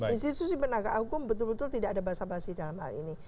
institusi penegak hukum betul betul tidak ada basa basi dalam hal ini